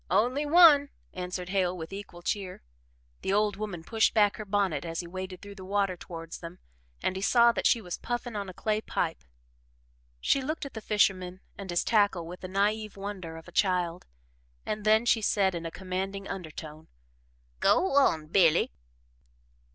"Only one," answered Hale with equal cheer. The old woman pushed back her bonnet as he waded through the water towards them and he saw that she was puffing a clay pipe. She looked at the fisherman and his tackle with the naive wonder of a child, and then she said in a commanding undertone. "Go on, Billy."